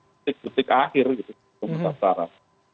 di detik detik akhir pendaftaran